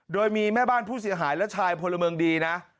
โดยมีแม่บ้านผู้เสียหายและชายพลเมืองดีนะ